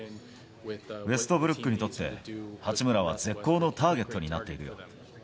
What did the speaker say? ウェストブルックにとって、八村は絶好のターゲットになっているよ。